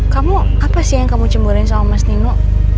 kamu apa sih yang kamu cemburan sama mas nino